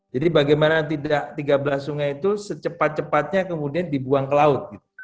jadi bagaimana tidak tiga belas sungai itu secepat cepatnya kemudian dibuang ke laut